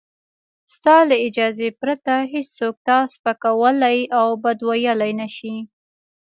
ستا له اجازې پرته هېڅوک تا سپکولای او بد ویلای نشي.